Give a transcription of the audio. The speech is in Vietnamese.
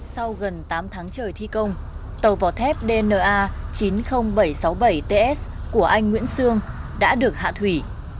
sau gần tám tháng trời thi công tàu vỏ thép dna chín mươi nghìn bảy trăm sáu mươi bảy ts của anh nguyễn sương đã được hạ thủy